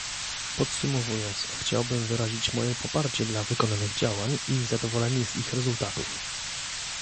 Podsumowując, chciałbym wyrazić moje poparcie dla wykonanych działań i zadowolenie z ich rezultatów